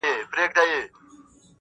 • پلار یې وکړه ورته ډېر نصیحتونه..